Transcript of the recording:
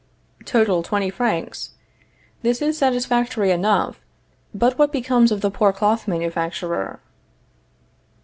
Total, twenty francs. This is satisfactory enough. But what becomes of the poor cloth manufacturer?